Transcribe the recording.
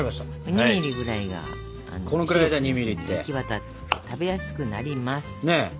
２ミリぐらいがシロップが行き渡って食べやすくなります。